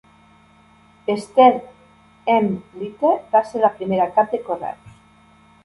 Esther M Leete va ser la primera cap de Correus.